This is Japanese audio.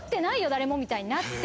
誰もみたいになって。